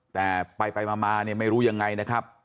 แต่ไปมาเนี่ยไม่รู้ยังไงนะครับ